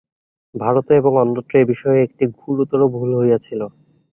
ভারতে এবং অন্যত্র এ বিষয়ে একটি গুরুতর ভুল হইয়াছিল।